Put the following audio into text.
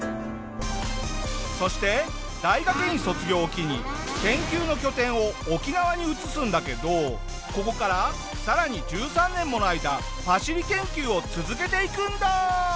そして大学院卒業を機に研究の拠点を沖縄に移すんだけどここからさらに１３年もの間パシリ研究を続けていくんだ！